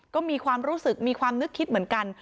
ก็มีความรู้สึกมีความนึกคิดเหมือนกัน